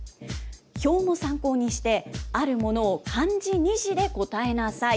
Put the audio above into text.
表も参考にしてあるものを漢字２字で答えなさい。